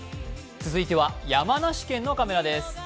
続いては山梨県のカメラです。